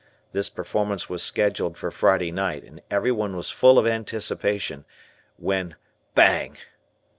This performance was scheduled for Friday night and everyone was full of anticipation; when bang!